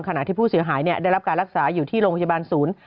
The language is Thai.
ขณะที่ผู้เสียหายได้รับการรักษาอยู่ที่โรงพยาบาลศูนย์